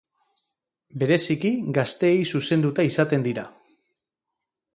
Bereziki gazteei zuzenduta izaten dira.